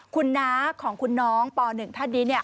คุณน้าของคุณน้องป๑ท่านนี้